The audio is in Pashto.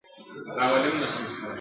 د چینجیو په څېر یو په بل لګېږي!.